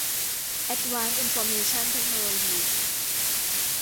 แอ็ดวานซ์ อินฟอร์เมชั่น เทคโนโลยี